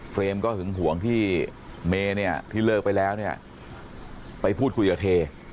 ก็หึงห่วงที่เมย์เนี่ยที่เลิกไปแล้วเนี่ยไปพูดคุยกับเท